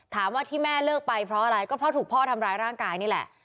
ถามว่าที่แม่เลิกไปเพราะอะไรก็เพราะถูกพ่อทำร้ายร่างกายนี่แหละ